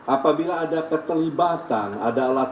apabila ada keterlibatan ada alat